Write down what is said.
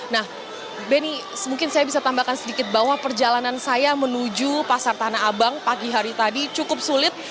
nah benny mungkin saya bisa tambahkan sedikit bahwa perjalanan saya menuju pasar tanah abang pagi hari tadi cukup sulit